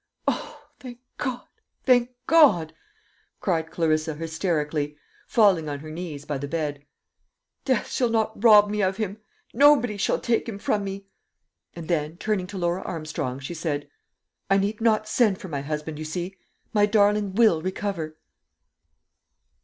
"O thank God, thank God!" cried Clarissa hysterically, falling on her knees by the bed. "Death shall not rob me of him! Nobody shall take him from me!" And then, turning to Laura Armstrong, she said, "I need not send for my husband, you see; my darling will recover."